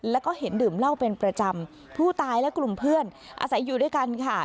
แล้วก็เห็นดื่มเหล้าเป็นประจำผู้ตายและกลุ่มเพื่อนอาศัยอยู่ด้วยกันค่ะ